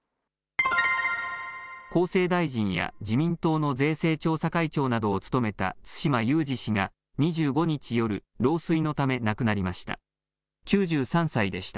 厚生大臣や自民党の税制調査会長などを務めた津島雄二氏が２５日夜、老衰のため亡くなりました。